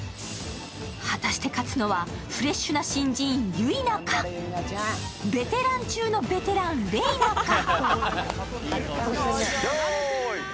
果たして勝つのはフレッシュな新人ゆいなか、ベテラン中のベテラン、麗菜か。